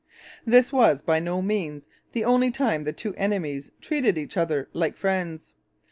This was by no means the only time the two enemies treated each other like friends.